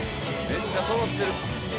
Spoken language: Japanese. めっちゃそろってる。